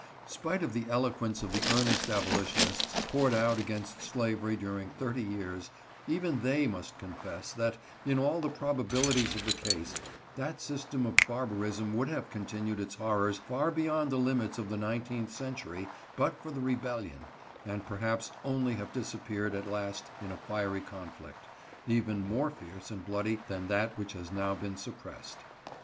Spite of the eloquence of the earnest Abolitionists,—poured out against slavery during thirty years,—even they must confess, that, in all the probabilities of the case, that system of barbarism would have continued its horrors far beyond the limits of the nineteenth century but for the Rebellion, and perhaps only have disappeared at last in a fiery conflict, even more fierce and bloody than that which has now been suppressed.